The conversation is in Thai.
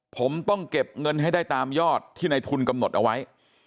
ผมต้องเก็บเงินให้ได้ตามยอดที่ในทุนกำหนดเอาไว้